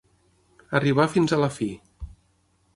Arribar fins a la fi.